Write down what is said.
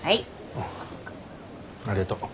あありがとう。